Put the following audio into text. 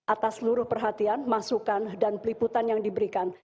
atas seluruh perhatian masukan dan peliputan yang diberikan